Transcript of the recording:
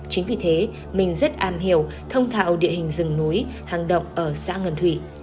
chính vì thế mình rất am hiểu thông thạo địa hình rừng núi hàng động ở xã ngân thủy